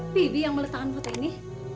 bibi yang meletakkan foto ini